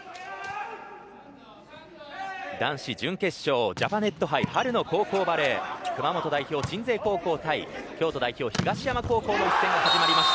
男子準決勝ジャパネット杯春の高校バレー熊本代表、鎮西高校対京都代表東山高校の一戦が始まりました。